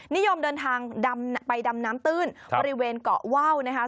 นิยมเดินทางไปดำน้ำตื้นบริเวณเกาะว่าวนะคะ